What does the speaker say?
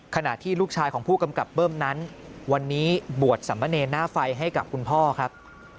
ขณะที่ลูกชายของผู้กำกับเบิ้มนั้นวันนี้บวชสมเนรหน้าไฟให้กับคุณพ่อครับ